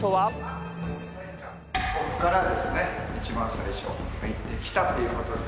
ここからですね、一番最初、入ってきたということで。